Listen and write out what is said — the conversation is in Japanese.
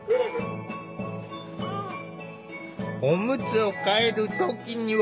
おむつを替える時には。